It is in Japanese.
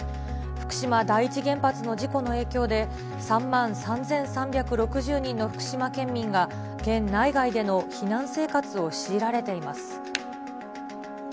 福島第一原発の事故の影響で、３万３３６０人の福島県民が、県内外での避難生活を強いられています。